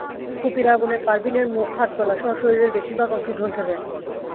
কুপির আগুনে পারভীনের মুখ, হাত, গলাসহ শরীরের বেশির ভাগ অংশ ঝলসে যায়।